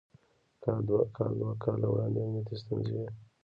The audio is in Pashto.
کال دوه کاله وړاندې امنيتي ستونزې وې.